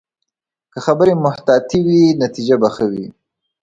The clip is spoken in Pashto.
که خبرې محتاطې وي، نتیجه به ښه وي